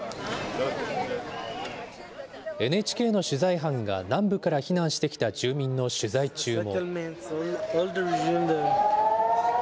ＮＨＫの取材班が南部から避難してきた住民の取材中も。